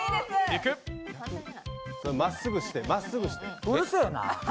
まっすぐして、まっすぐ。